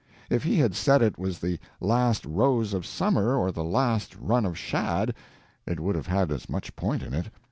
If he had said it was the last rose of summer or the last run of shad, it would have had as much point in it.